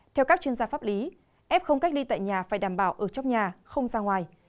theo các chuyên gia pháp lý f không cách ly tại nhà phải đảm bảo ở trong nhà không ra ngoài